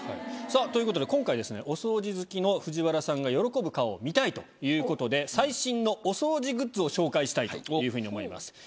さぁということで今回ですねお掃除好きの藤原さんが喜ぶ顔を見たいということで最新のお掃除グッズを紹介したいというふうに思います。